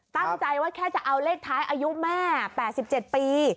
ตั้งใจว่าแค่จะเอาเลขท้ายอายุแม่๘๗ปี